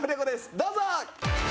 どうぞ！